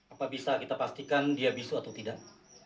apa bisa kita pastikan dia bisu atau tidak